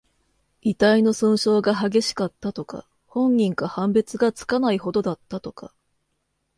遺体の損傷が激しかった、とか。本人か判別がつかないほどだった、とか。